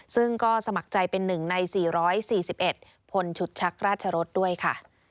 ซึ่งก็สมัครใจเป็น๑ใน๔๔๑พลชุดชักราชรสด้วยค่ะ